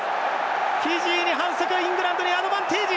フィジーに反則イングランドにアドバンテージ。